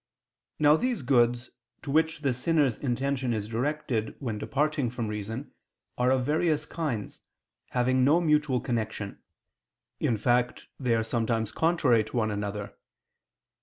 Now these goods, to which the sinner's intention is directed when departing from reason, are of various kinds, having no mutual connection; in fact they are sometimes contrary to one another.